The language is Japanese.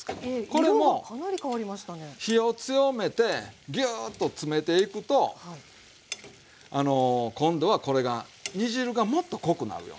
これも火を強めてギューッとつめていくと今度はこれが煮汁がもっと濃くなるよね。